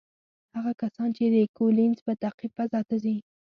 هغه کسان چې د کولینز په تعقیب فضا ته ځي،